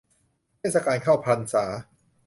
เทศกาลเข้าพรรษา